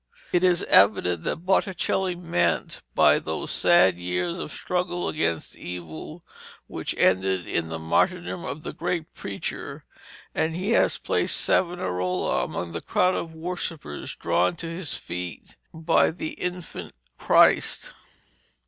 It is evident that Botticelli meant by this those sad years of struggle against evil which ended in the martyrdom of the great preacher, and he has placed Savonarola among the crowd of worshippers drawn to His feet by the Infant Christ.